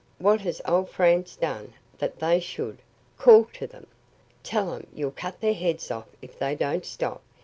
What has old Franz done that they should Call to them! Tell 'em you'll cut their heads off if they don't stop.